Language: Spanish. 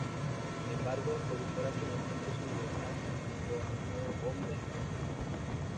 Sin embargo, recupera finalmente su libertad junto a un nuevo hombre, Fernando.